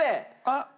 あっ。